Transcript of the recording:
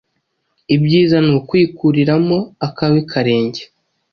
Ibyiza ni ukwikuriramo akawe karenge